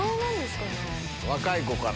若い子かな。